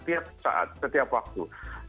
setiap saat setiap waktu